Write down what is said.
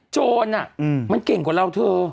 โจรมันเก่งกว่าเราเธอ